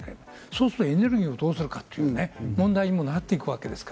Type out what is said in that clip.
そうするとエネルギーをどうするか、という問題にもなっていくわけです。